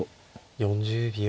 ４０秒。